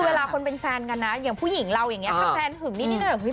คือว่าคนเป็นแฟนกันนะอย่างผู้หญิงเราอย่างนี้